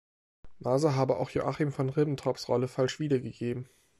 Maser habe auch Joachim von Ribbentrops Rolle falsch wiedergegeben.